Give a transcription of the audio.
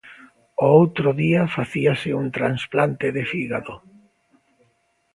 O outro día facíase un transplante de fígado.